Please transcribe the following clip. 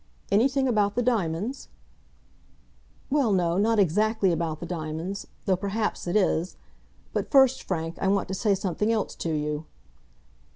"Anything about the diamonds?" "Well, no; not exactly about the diamonds; though perhaps it is. But first, Frank, I want to say something else to you."